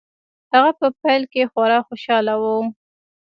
هغه په پیل کې خورا خوشحاله و